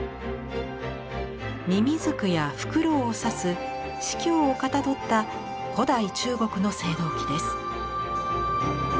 ミミズクやフクロウを指す鴟をかたどった古代中国の青銅器です。